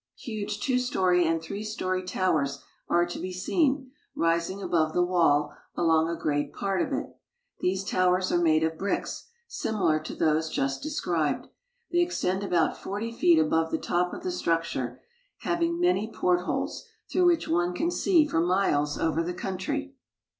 Huge two story and three story towers are to be seen, rising above the wall along a great part of it. These towers are made of bricks, similar to those just described. They extend about forty feet above the top of the structure. Tower at Shanhaikwan. THE GREAT WALL OF CHINA I4I having many portholes, through which one can see for miles over the country.